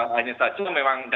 hanya saja memang